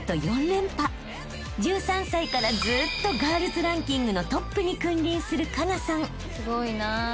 ［１３歳からずっとガールズランキングのトップに君臨する佳那さん］